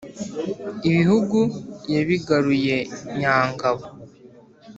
ibihugu yabigaruye nyangabo.